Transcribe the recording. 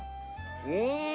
うん！